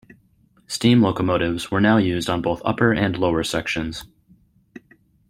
Steam locomotives were now used on both upper and lower sections.